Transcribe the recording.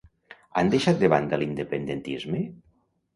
Han deixat de banda l'independentisme?